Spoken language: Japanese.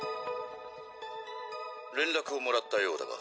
「連絡をもらったようだが」